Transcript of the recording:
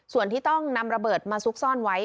ส่วนที่ต้องนำระเบิดมาซุกซ่อนไว้